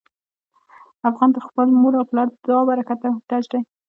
افغان د خپل مور او پلار د دعا برکت ته محتاج دی.